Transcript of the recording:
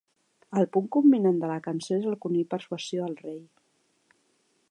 El punt culminant de la cançó és el conill persuasió el rei.